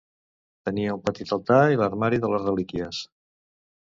Tenia un petit altar i l'armari de les relíquies.